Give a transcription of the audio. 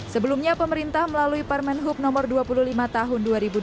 sebelumnya pemerintah melalui parmenhub nomor dua puluh lima tahun dua ribu dua puluh